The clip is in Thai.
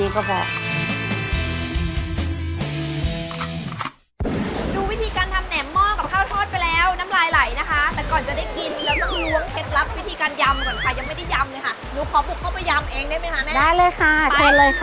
ดูวิธีการทำแหน่มม่อกกับข้าวทอดไปแล้วน้ำลายไหลนะคะ